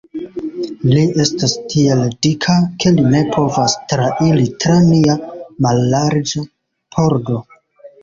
Li estas tiel dika, ke li ne povas trairi tra nia mallarĝa pordo.